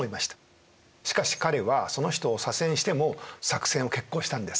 しかし彼はその人を左遷しても作戦を決行したんです。